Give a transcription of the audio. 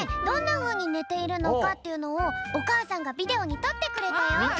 どんなふうにねているのかっていうのをおかあさんがビデオにとってくれたよ。